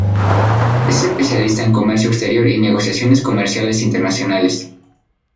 Es especialista en comercio exterior y negociaciones comerciales internacionales.